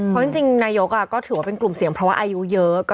เพราะจริงนายกก็ถือว่าเป็นกลุ่มเสี่ยงเพราะว่าอายุเยอะ